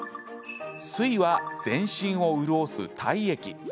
水は全身を潤す体液。